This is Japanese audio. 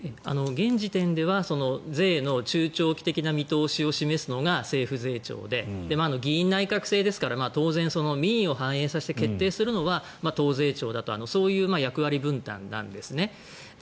現時点では税の中長期的な見通しを示すのが政府税調で議院内閣制ですから当然、民意を反映させて決定するのは党税調だとそういう役割分担なんですね。